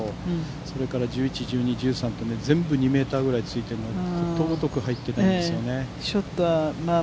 それから１１、１２、１３と全部、２ｍぐらいついているのがことごとく入っていないんですよね。